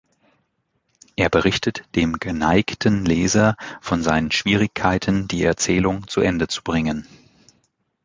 Er berichtet dem „geneigten Leser“ von seinen Schwierigkeiten, die Erzählung zu Ende zu bringen.